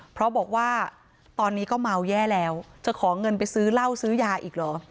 เพราะบอกว่าตอนนี้ก็เมาแย่แล้วจะขอเงินไปซื้อเหล้าซื้อยาอีกเหรอ